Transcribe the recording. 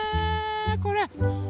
これ。